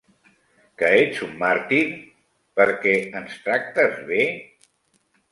Que ets un màrtir? Perquè ens tractes bé?